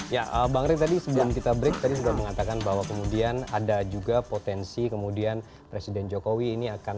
ya bang ray tadi sebelum kita break tadi sudah mengatakan bahwa kemudian ada juga potensi kemudian presiden jokowi ini akan